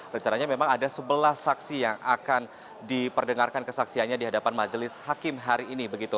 rencananya memang ada sebelas saksi yang akan diperdengarkan kesaksiannya di hadapan majelis hakim hari ini